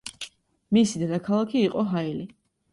მისი დედაქალაქი იყო ჰაილი.